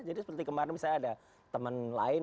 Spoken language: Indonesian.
jadi seperti kemarin misalnya ada teman lain